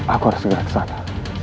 aku harus segera ke sana